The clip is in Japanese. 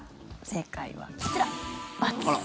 正解は、こちら。